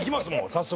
早速。